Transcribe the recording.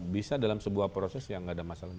bisa dalam sebuah proses ya gak ada masalah